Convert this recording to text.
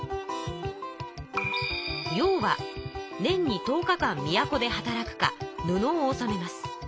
年に１０日間都で働くか布を納めます。